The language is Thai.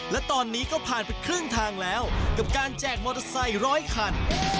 และตอนนี้ก็ผ่านไปครึ่งทางแล้วกับการแจกมอเตอร์ไซค์ร้อยคัน